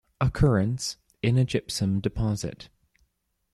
Occurrence - In a gypsum deposit.